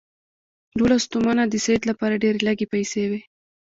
دوولس تومنه د سید لپاره ډېرې لږې پیسې وې.